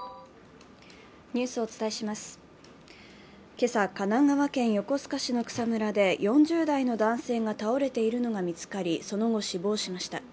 今朝、神奈川県横須賀市の草むらで４０代の男性が倒れているのが見つかり、その後、死亡しました。